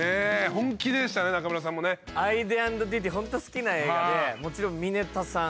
本気でしたね中村さんもね「アイデン＆ティティ」ホント好きな映画でもちろん峯田さん